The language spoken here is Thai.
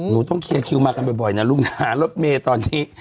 หนูต้องเคลียร์คิวมากันบ่อยบ่อยนะลูกหนารถเมตตอนนี้